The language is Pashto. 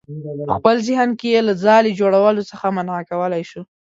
په خپل ذهن کې یې له ځالې جوړولو څخه منع کولی شو.